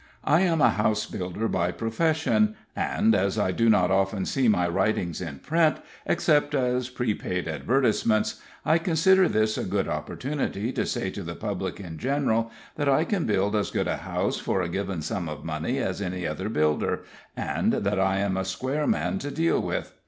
I am a house builder by profession, and as I do not often see my writings in print, except as prepaid advertisements, I consider this a good opportunity to say to the public in general that I can build as good a house for a given sum of money as any other builder, and that I am a square man to deal with.